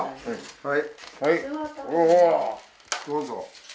はい。